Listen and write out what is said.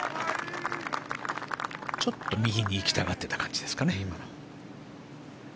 ちょっと右に行きたがっていた感じですかね。